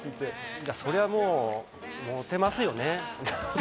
そりゃあもうモテますよね。